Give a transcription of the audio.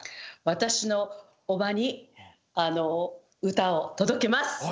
私の叔母に歌を届けます。